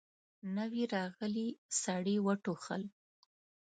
نوي راغلي سړي وټوخل.